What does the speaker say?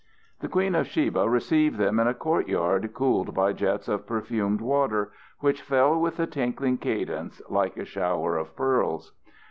The Queen of Sheba received them in a courtyard cooled by jets of perfumed water which fell with a tinkling cadence like a shower of pearls.